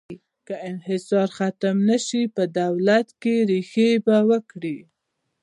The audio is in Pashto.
که انحصار ختم نه شي، په دولت کې ریښې به وکړي.